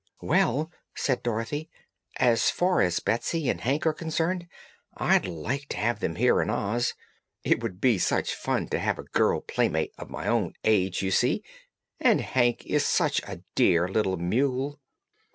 "Well," said Dorothy, "as far as Betsy and Hank are concerned, I'd like to have them here in Oz. It would be such fun to have a girl playmate of my own age, you see. And Hank is such a dear little mule!"